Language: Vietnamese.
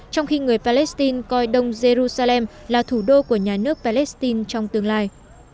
trong khi người palestine coi đông jerusalem là thủ đô của nhà nước palestine trong tương lai